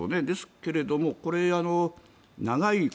ですけれども、長い。